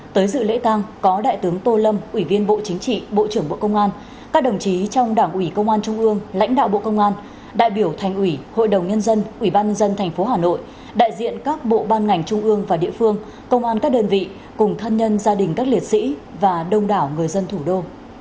tới dự lễ tang có đại tướng tô lâm ủy viên bộ chính trị bộ trưởng bộ công an các đồng chí trong đảng ủy công an trung ương lãnh đạo bộ công an đại biểu thành ủy hội đồng nhân dân ủy ban nhân dân tp hà nội đại diện các bộ ban ngành trung ương và địa phương công an các đơn vị cùng thân nhân gia đình các liệt sĩ và đông đảo người dân thủ đô